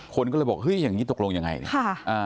คนก็เลยบอกเฮ้ยอย่างนี้ตกลงยังไงเนี่ย